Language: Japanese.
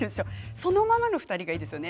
そのままの２人でいいですよね。